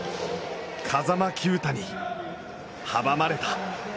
風間球打に阻まれた。